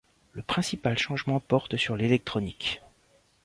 Le principal changement porte sur l'électronique.